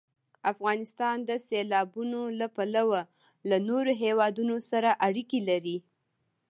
افغانستان د سیلابونه له پلوه له نورو هېوادونو سره اړیکې لري.